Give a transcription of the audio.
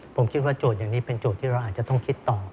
ผมคิดว่าโจทย์อย่างนี้เป็นโจทย์ที่เราอาจจะต้องคิดต่อ